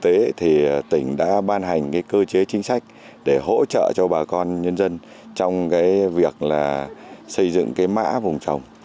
thực tế thì tỉnh đã ban hành cái cơ chế chính sách để hỗ trợ cho bà con nhân dân trong cái việc là xây dựng cái mã vùng trồng